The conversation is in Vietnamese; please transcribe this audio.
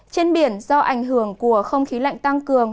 trên biển do ảnh hưởng của không khí lạnh tăng cường